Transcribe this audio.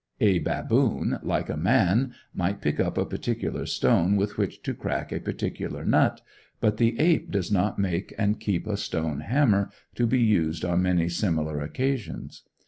A baboon, like a man, might pick up a particular stone with which to crack a particular nut; but the ape does not make and keep a stone hammer, to be used on many similar occasions.